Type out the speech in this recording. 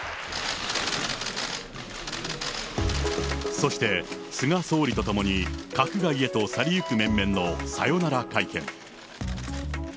そして、菅総理とともに、閣外へと去り行く面々のさよなら会見。